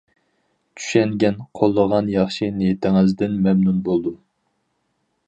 چۈشەنگەن، قوللىغان ياخشى نىيىتىڭىزدىن مەمنۇن بولدۇم.